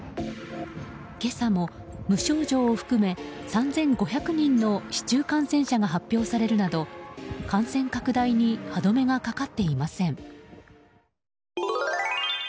今朝も無症状を含め３５００人の市中感染者が発表されるなど感染拡大に歯止めがかかっていません。